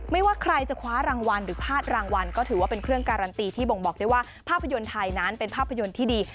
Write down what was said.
ว่าใครจะคว้ารางวัลหรือพลาดรางวัลก็ถือว่าเป็นเครื่องการันตีที่บ่งบอกได้ว่าภาพยนตร์ไทยนั้นเป็นภาพยนตร์ที่ดี